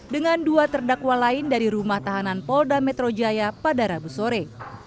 dengan dua terdakwa lain dari rumah tahanan polda metro jaya pada rabu sore